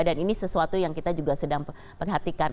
dan ini sesuatu yang kita juga sedang perhatikan